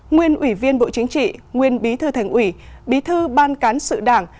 nguyên ủy viên bộ chính trị nguyên bí thư thành ủy bí thư ban cán sự đảng